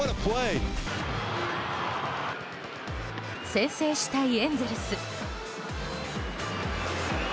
先制したいエンゼルス。